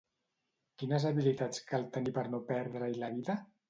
Quines habilitats cal tenir per no perdre-hi la vida?